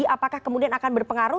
apakah kemudian akan berpengaruh